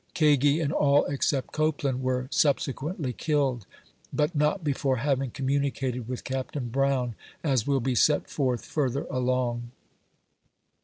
Kagi, and all except Copeland, were subse quently killed, but not before having communicated with Capt. Brown, as will be set forth further along.